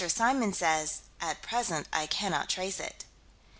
Symons says: "At present I cannot trace it."